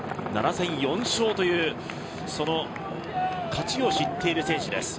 ７戦４勝という勝ちを知っている選手です。